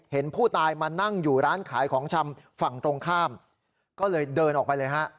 เห็นผู้ตายมานั่งอยู่ร้านขายของชำฝั่งตรงข้ามก็เลยเดินออกไปเลยฮะ